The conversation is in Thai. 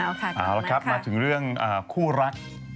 เอาละครับมาถึงเรื่องคู่รัก